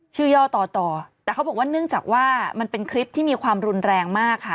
ย่อต่อต่อแต่เขาบอกว่าเนื่องจากว่ามันเป็นคลิปที่มีความรุนแรงมากค่ะ